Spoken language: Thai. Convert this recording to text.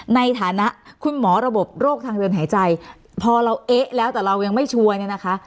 ในฐานะคุณหมอระบบโรคทางเดินหายใจพอเราเอ๊ะแล้วแต่เรายังไม่ชัวร์เนี่ยนะคะ